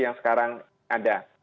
yang sekarang ada